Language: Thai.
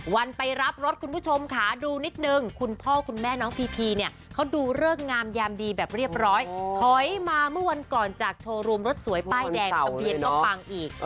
วันไปรับรถคุณผู้ชมค่ะดูนิดนึงคุณพ่อคุณแม่น้องพีพีเนี่ยเขาดูเลิกงามยามดีแบบเรียบร้อยถอยมาเมื่อวันก่อนจากโชว์รูมรถสวยป้ายแดงทะเบียนก็ปังอีก